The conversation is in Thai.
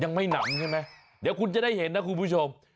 ยังไม่หนำใช่ไหมเดี๋ยวคุณจะได้เห็นนะคุณผู้ชม